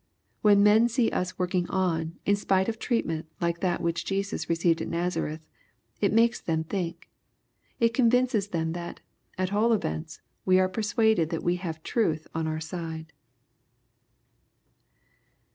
When men see us working on, in spite of treatment like that which Jesus received at Nazareth, it makes them think. It coDvinces them that, at all events, we are persuaded that we have truth on our side.